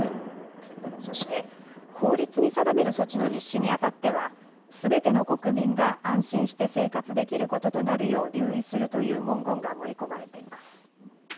そして法律に定める措置の実施にあたってはすべての国民が安心して生活できることとなるよう留意するという文言が盛り込まれています。